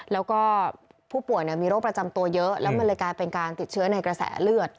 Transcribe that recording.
แล้วก็ผู้ป่วยมีโรคประจำตัวเยอะแล้วมันเลยกลายเป็นการติดเชื้อในกระแสเลือด